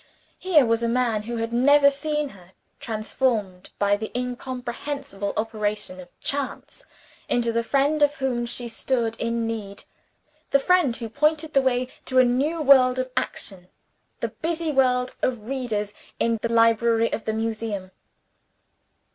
Here was a man, who had never seen her, transformed by the incomprehensible operation of Chance into the friend of whom she stood in need the friend who pointed the way to a new world of action, the busy world of readers in the library of the Museum.